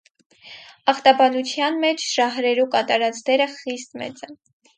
Ախտաբանութեան մէջ ժահրերու կատարած դերը խիստ մեծ է։